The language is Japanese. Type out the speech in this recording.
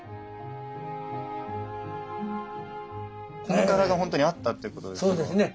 この柄が本当にあったってことですか？